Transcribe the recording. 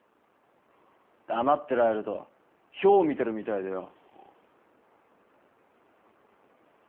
黙ってられると漂を見てるみたいでよ。